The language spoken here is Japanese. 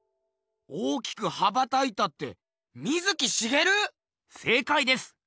大きく羽ばたいたって水木しげる⁉せいかいです！